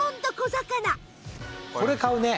これ買うね。